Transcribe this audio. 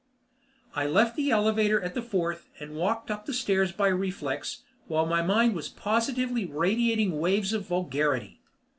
I left the elevator at the Fourth and walked up the stairs by reflex, while my mind was positively radiating waves of vulgarity.